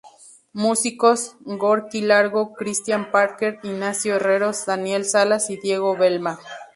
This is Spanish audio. Músicos: Gorky Largo, Cristián Parker, Ignacio Herreros, Daniel Salas y Diego Belmar.